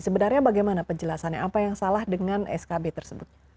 sebenarnya bagaimana penjelasannya apa yang salah dengan skb tersebut